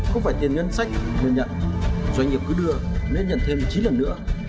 không phải tiền nhân sách nên nhận doanh nghiệp cứ đưa nên nhận thêm chín lần nữa